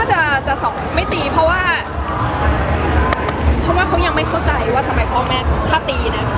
ก็จะไม่ตีเพราะว่าเขายังไม่เข้าใจว่าทำไมพ่อแม่ถ้าตีนะ